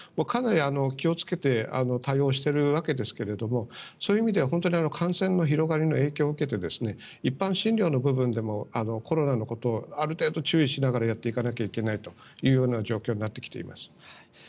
かなり気をつけて対応しているわけですけれどそういう意味では感染の広がりの影響を受けて一般診療の部分でもコロナのことにある程度注意しながらやっていかないといけないという状況になってきています。